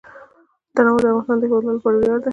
تنوع د افغانستان د هیوادوالو لپاره ویاړ دی.